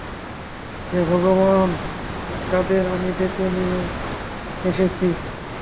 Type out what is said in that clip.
হে ভগবান, এ কাদের আমি ডেকে নিয়ে এসেছি!